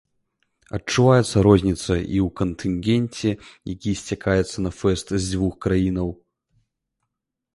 Адчуваецца розніцца і ў кантынгенце, які сцякаецца на фэст з дзвюх краінаў.